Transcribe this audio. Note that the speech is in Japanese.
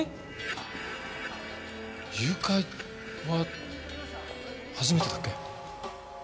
誘拐は初めてだっけ？